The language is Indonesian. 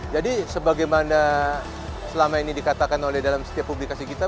jadi sebagaimana selama ini dikatakan oleh dalam setiap publikasi kita